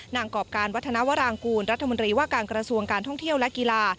กรอบการวัฒนาวรางกูลรัฐมนตรีว่าการกระทรวงการท่องเที่ยวและกีฬา